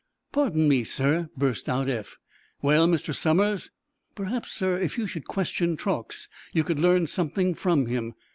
"Pardon me, sir!" burst out Eph. "Well, Mr. Somers?" "Perhaps, sir, if you should question Truax you could learn something from him.